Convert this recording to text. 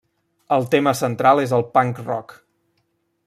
El tema central és el punk rock.